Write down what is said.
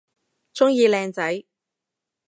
鍾意靚仔